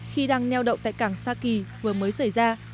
khi đang neo đậu tại cảng sa kỳ vừa mới xảy ra